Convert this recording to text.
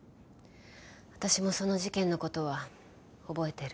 私もその事件の事は覚えてる。